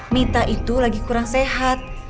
mita itu lagi kurang sehat